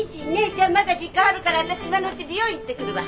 じゃまだ時間あるから私今のうち美容院行ってくるわ。